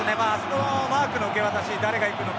マークの受け渡し誰が行くのか。